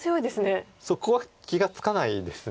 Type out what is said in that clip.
そこは気が付かないです。